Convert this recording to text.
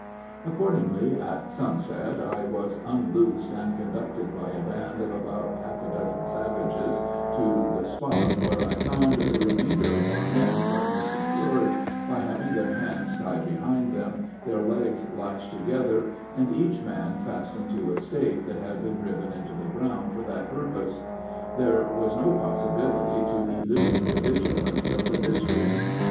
Accordingly, at sunset, I was unloosed and conducted, by a band of about half a dozen savages, to the spot, where I found the remainder of our men firmly secured, by having their hands tied behind them, their legs lashed together, and each man fastened to a stake that had been driven into the ground for that purpose. There was no possibility to elude the vigilance of these miscreants.